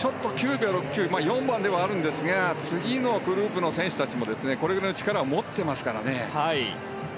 ９秒６９４番ではあるんですが次のグループの選手たちもこれぐらいの力を持っていますから。